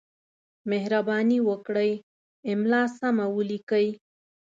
مهرباني وکړئ! املا سمه ولیکئ!